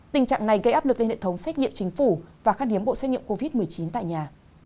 tình trạng này gây áp lực lên hệ thống xét nghiệm chính phủ và khát hiếm bộ xét nghiệm covid một mươi chín tại nhà